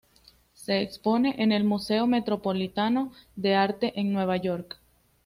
Se expone en el Museo Metropolitano de Arte en Nueva York.